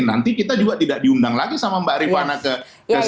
nanti kita juga tidak diundang lagi sama mbak rifana ke ksp